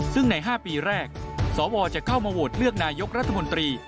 ซึ่งใน๕ปีแรกสวจะเข้ามาโหวตเลือกนายกรัฐมนตรี